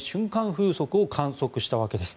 風速を観測したわけです。